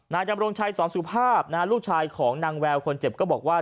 ดำรงชัยสอนสุภาพลูกชายของนางแววคนเจ็บก็บอกว่า